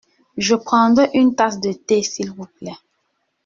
Je prendrai une tasse de thé s’il vous plait.